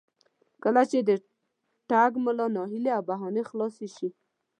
کله چې د ټګ ملا هیلې او بهانې خلاصې شي.